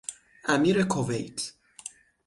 امیر کویت